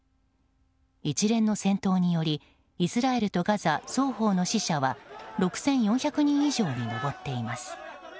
一連の戦闘によりイスラエルとガザ双方の死者は６４００人以上に上っています。